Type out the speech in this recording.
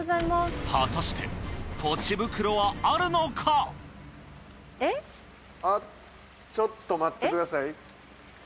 果たしてちょっと待ってください。